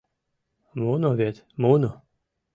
Муно вет, муно!